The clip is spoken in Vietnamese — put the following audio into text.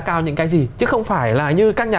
cao những cái gì chứ không phải là như các nhà